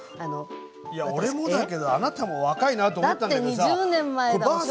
いや俺もだけどあなたも若いなと思ったんだけどさ。